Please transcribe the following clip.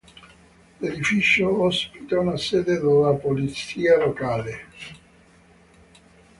L'edificio ospita una sede della polizia locale.